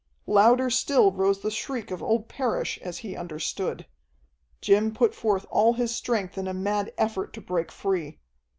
Louder still rose the shriek of old Parrish as he understood. Jim put forth all his strength in a mad effort to break free.